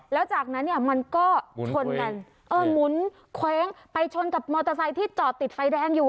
แล้วจากนั้นเนี่ยมันก็ชนกันเออหมุนเคว้งไปชนกับมอเตอร์ไซค์ที่จอดติดไฟแดงอยู่